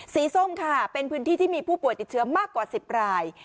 ส้มค่ะเป็นพื้นที่ที่มีผู้ป่วยติดเชื้อมากกว่า๑๐ราย